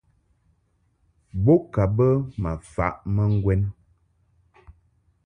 Bo ka bə ma faʼ ma ŋgwɛn.